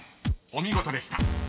［お見事でした］